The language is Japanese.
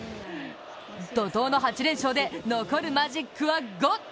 怒とうの８連勝で残るマジックは５。